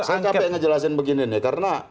saya capek ngejelasin begini nih karena